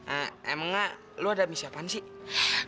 eh emangnya lo ada misi apaan sih